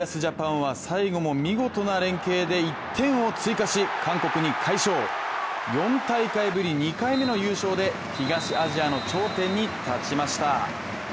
森保ジャパンは最後も見事な連係で１点を追加し、韓国に快勝４大会ぶり２回目の優勝で、東アジアの頂点に立ちました。